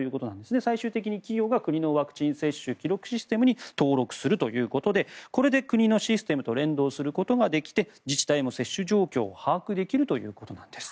最終的に企業が国のワクチン接種記録システムに登録するということでこれで国のシステムと連動することができて自治体も接種状況を把握できるということなんです。